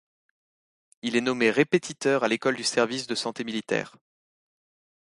Il est nommé répétiteur à l'École du Service de Santé militaire.